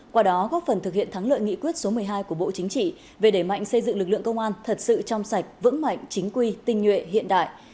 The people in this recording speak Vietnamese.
qua đó góp phần thực hiện thắng lợi nghị quyết số một mươi hai của bộ chính trị về đẩy mạnh xây dựng lực lượng công an thật sự trong sạch vững mạnh chính quy tinh nhuệ hiện đại